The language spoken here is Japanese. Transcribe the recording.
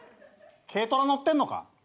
軽トラ乗ってんのか？